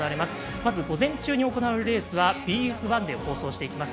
まず午前中に行われるレースはＢＳ１で放送していきます。